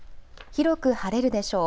広く晴れるでしょう。